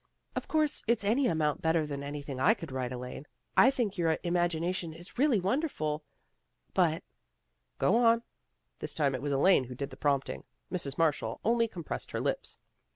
" Of course it's any amount better than any thing I could write, Elaine. I think your im agination is really wonderful. But "" Go on." This time it was Elaine who PEGGY ACTS AS CRITIC 145 did the prompting. Mrs. Marshall only com pressed her lips.